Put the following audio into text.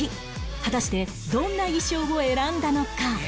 果たしてどんな衣装を選んだのか？